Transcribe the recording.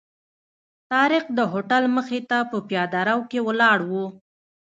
طارق د هوټل مخې ته په پیاده رو کې ولاړ و.